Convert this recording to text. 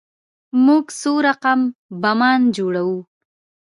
موږ څو رقم بمان جوړوو.